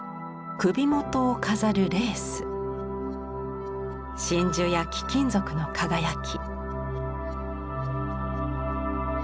首元を飾るレース真珠や貴金属の輝き。